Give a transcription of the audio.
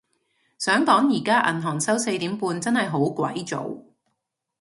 想講而家銀行收四點半，真係好鬼早